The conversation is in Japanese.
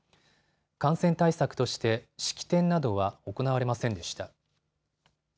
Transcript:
感染対策として式典などは行われませんでした。